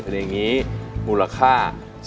เพลงนี้มูลค่า